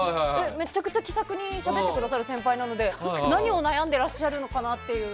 めちゃくちゃ気さくにしゃべってくださる先輩なので何を悩んでいらっしゃるのかなっていう。